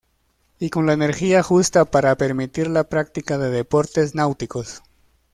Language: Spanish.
Y con la energía justa para permitir la práctica de deportes náuticos.